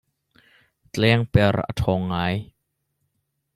Tlengper a ṭhawng ngai.